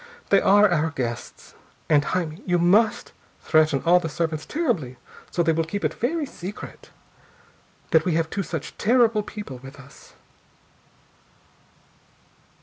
They are our guests! And, Jaime, you must threaten all the servants terribly so they will keep it very secret that we have two such terrible people with us."